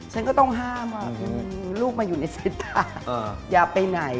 ฉันก็ต้องห้ามว่าลูกมาอยู่ในสายตาอย่าไปไหน